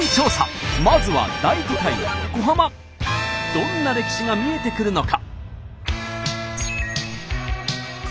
どんな歴史が見えてくるのか？